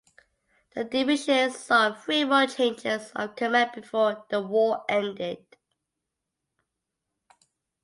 The division saw three more changes of command before the war ended.